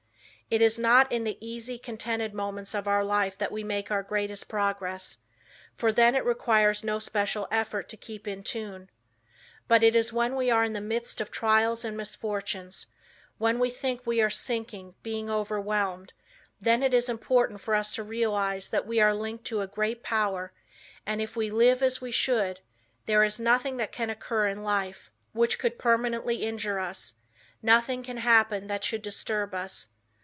It is not in the easy, contented moments of our life that we make our greatest progress, for then it requires, no special effort to keep in tune. But it is when we are in the midst of trials and misfortunes, when we think we are sinking, being overwhelmed, then it is important for us to realize that we are linked to a great Power and if we live as we should, there is nothing that can occur in life, which could permanently injure us, nothing can happen that should disturb us.